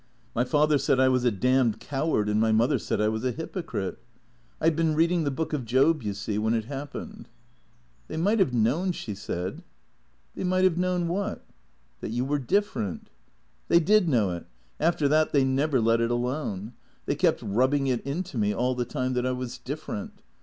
" My father said I was a damned coward, and my mother said I was a hypocrite. I 'd been reading the Book of Job, you see, when it happened." " They might have known," she said. " They might have known what ?"" That you were different." " They did know it. After that, they never let it alone. They kept rubbing it into me all the time that I was different.